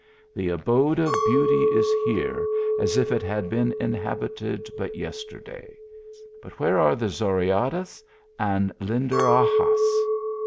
The abode of beauty is here, as if it had bc; j n inhabited but yes terday but where are the Zoraydas and Linde raxas